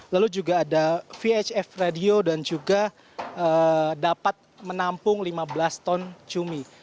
lalu juga ada vhf radio dan juga dapat menampung lima belas ton cumi